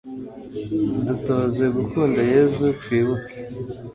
dutoze gukunda yezu, twibuke